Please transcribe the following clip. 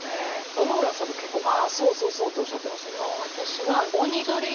野々村さんも結構「あそうそうそう」っておっしゃってましたけど。